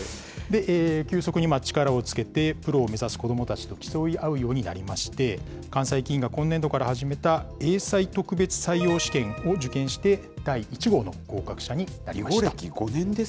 急速に力をつけて、プロを目指す子どもたちと競い合うようになりまして、関西棋院が今年度から始めた英才特別採用試験を受験して、第１号の合格者になりました。